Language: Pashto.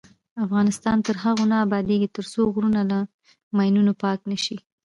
افغانستان تر هغو نه ابادیږي، ترڅو غرونه له ماینونو پاک نشي.